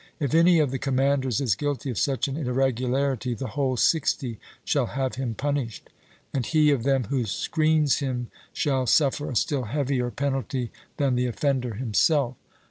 If any of the commanders is guilty of such an irregularity, the whole sixty shall have him punished; and he of them who screens him shall suffer a still heavier penalty than the offender himself.